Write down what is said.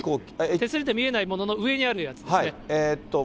手すりで見えないものの上にあるやつですね。